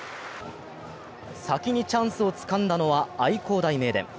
先にチャンスをつかんだのは愛工大名電。